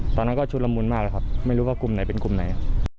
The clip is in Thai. ตอนนั้นก็ชุดละมุนมากแล้วครับไม่รู้ว่ากลุ่มไหนเป็นกลุ่มไหน